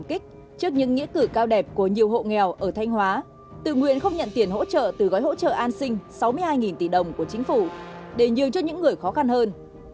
trước những nghĩa cử cao đẹp của nhiều hộ nghèo ở thanh hóa tự nguyện không nhận tiền hỗ trợ từ gói hỗ trợ an sinh sáu mươi hai tỷ đồng của chính phủ để nhiều cho những người khó khăn hơn